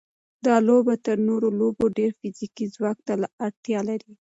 دا لوبه تر نورو لوبو ډېر فزیکي ځواک ته اړتیا لري.